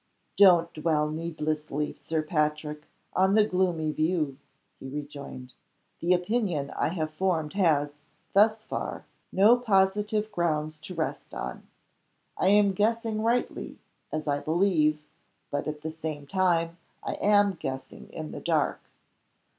"Don't dwell needlessly, Sir Patrick, on the gloomy view," he rejoined. "The opinion I have formed has, thus far, no positive grounds to rest on. I am guessing rightly, as I believe, but at the same time I am guessing in the dark.